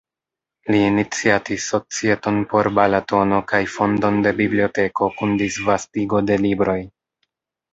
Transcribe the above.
Li iniciatis societon por Balatono kaj fondon de biblioteko kun disvastigo de libroj.